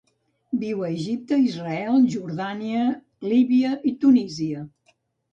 Viu a Egipte, Israel, Jordània, Líbia i Tunísia.